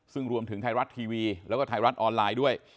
ซึ่งรวมถึงไทยรัฐทีวีแล้วก็ไทยรัฐออนไลน์ด้วย